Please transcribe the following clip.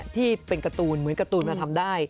ที่เป็นการ์ตูนเหมือนการ์ตูนมาทำได้